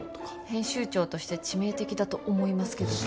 編集長として致命的だと思いますけど。